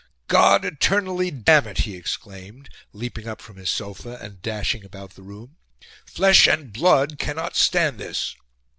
"God eternally damn it!" he exclaimed, leaping up from his sofa, and dashing about the room. "Flesh and blood cannot stand this!"